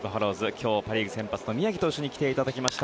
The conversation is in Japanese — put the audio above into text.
今日はパ・リーグ先発の宮城投手に来ていただきました。